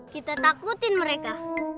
kita takutin mereka